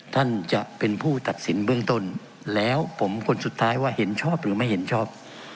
ท่านจะเป็นผู้ตัดสินเบื้องต้นแล้วผมคนสุดท้ายว่าเห็นชอบหรือไม่เห็นชอบ